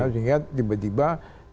sehingga tiba tiba bulan jumat ya